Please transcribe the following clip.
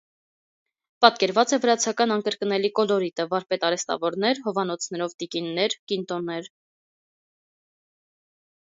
Պատկերված է վրացական անկրկնելի կոլորիտը՝ վարպետ արհեստավորներ, հովանոցներով տիկիններ, կինտոներ։